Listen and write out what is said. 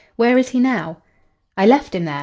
Where is he now?" "I left him there.